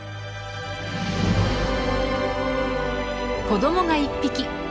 子どもが１匹。